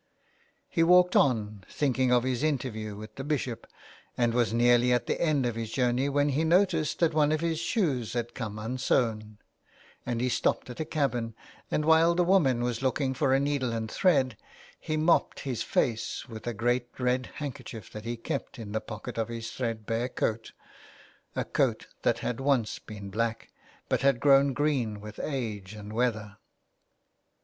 He walked on, thinking of his interview with the Bishop, and was nearly at the end of his journey when he noticed that one of his shoes had come unsewn, and he stopped at a cabin ; and while the woman was looking for a needle and thread he mopped his face with a great red handkerchief that he kept in the 190 A LETTER TO ROME. pocket of his threadbare coat — a coat that had once been black, but had grown green with age and weather.